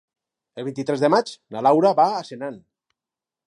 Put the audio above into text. El vint-i-tres de maig na Laura va a Senan.